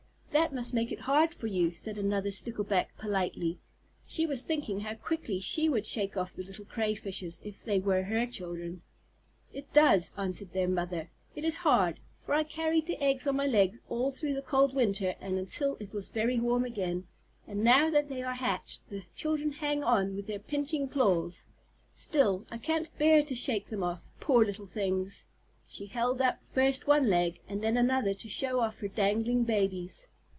"That must make it hard for you," said another Stickleback politely. She was thinking how quickly she would shake off the little Crayfishes if they were her children. "It does," answered their mother. "It is hard, for I carried the eggs on my legs all through the cold weather and until it was very warm again; and now that they are hatched, the children hang on with their pinching claws. Still, I can't bear to shake them off, poor little things!" She held up first one leg and then another to show off her dangling babies.